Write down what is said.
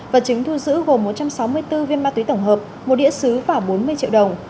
vật chứng thu giữ gồm một trăm sáu mươi bốn viên ma túy tổng hợp một đĩa xứ và bốn mươi triệu đồng